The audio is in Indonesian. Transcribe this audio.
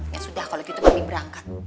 ya sudah kalau gitu kami berangkat